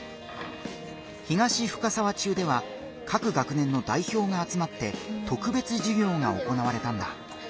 東深沢中では各学年の代表があつまって特別授業が行われたんだ。